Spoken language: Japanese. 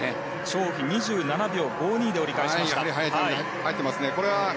チョウ・ウヒ２７秒５２で折り返しました。